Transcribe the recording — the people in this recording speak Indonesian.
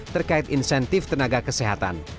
terkait insentif tenaga kesehatan